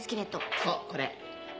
そうこれ。